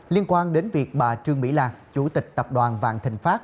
liên quan đến việc bà trương mỹ làng chủ tịch tập đoàn vạn thành pháp